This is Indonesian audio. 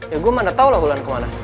ya gue mana tau lah bulan kemana